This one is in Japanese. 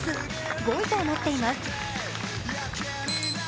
５位となっています。